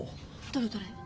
どれどれ？